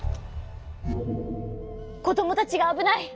こどもたちがあぶない！